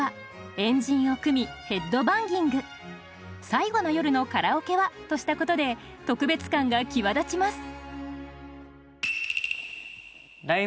「最後の夜のカラオケは」としたことで特別感が際立ちます。